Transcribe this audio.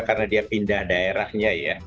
karena dia pindah daerahnya ya